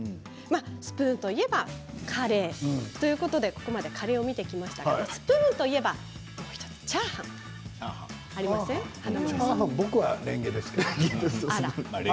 スプーンといえばカレーということでカレーを見てきましたがスプーンといえばもう１つ僕は、れんげですけど。